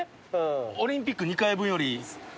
オリンピック２回分よりプラス１年。